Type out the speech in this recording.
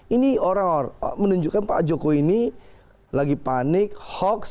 ini orang orang menunjukkan pak jokowi ini lagi panik hoax